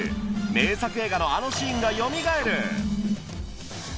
名作映画のあのシーンがよみがえる！